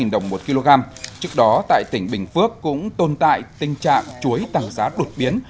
đồng một kg trước đó tại tỉnh bình phước cũng tồn tại tình trạng chuối tăng giá đột biến